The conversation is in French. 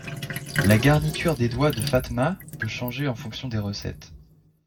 La garniture des doigts de Fatma peut changer en fonction des recettes.